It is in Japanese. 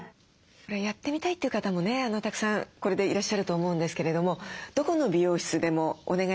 やってみたいという方もねたくさんいらっしゃると思うんですけれどもどこの美容室でもお願いできるものですか？